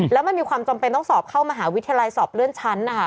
แล้วมันมีความจำเป็นต้องสอบเข้ามหาวิทยาลัยสอบเลื่อนชั้นนะคะ